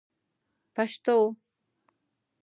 پشتو